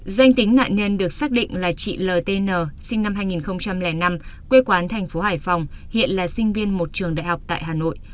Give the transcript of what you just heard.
danh tính nạn nhân được xác định là chị ltn sinh năm hai nghìn năm quê quán thành phố hải phòng hiện là sinh viên một trường đại học tại hà nội